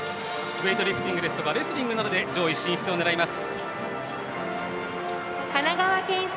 ウエイトリフティングやレスリングで上位進出を狙います。